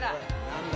何だ